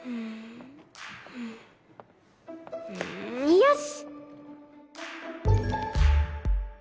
よし！